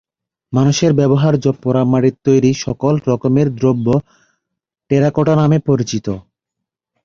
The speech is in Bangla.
মানুষের ব্যবহার্য পোড়ামাটির তৈরি সকল রকমের দ্রব্য টেরাকোটা নামে পরিচিত।